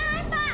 pak jangan pak